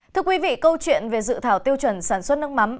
thưa quý vị câu chuyện về dự thảo tiêu chuẩn sản xuất nước mắm